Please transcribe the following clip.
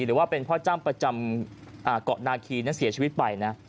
หรือว่าเป็นพ่อจ้ำประจำเกาะนาคีนั้นเสียชีวิตไปนะ